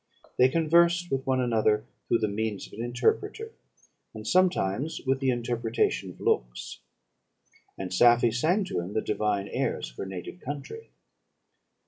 They conversed with one another through the means of an interpreter, and sometimes with the interpretation of looks; and Safie sang to him the divine airs of her native country.